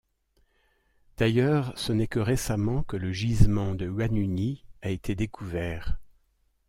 D'ailleurs, ce n'est que récemment que le gisement de Huanuni a été découvert.